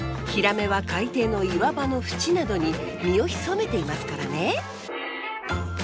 ヒラメは海底の岩場のふちなどに身を潜めていますからね。